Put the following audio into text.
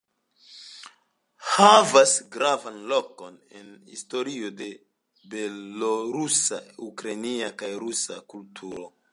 Havas gravan lokon en historio de belorusa, ukrainia kaj rusa kulturo.